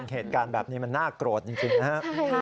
เหตุการณ์แบบนี้มันน่าโกรธจริงนะครับ